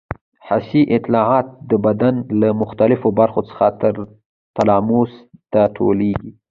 حسي اطلاعات د بدن له مختلفو برخو څخه تلاموس ته ټولېږي.